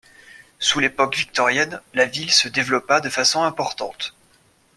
Sous l'époque victorienne, la ville se développa de façon importante.